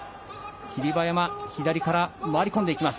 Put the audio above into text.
霧馬山、左から回り込んでいきます。